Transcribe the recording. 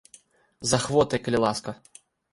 З ахвотай, калі ласка.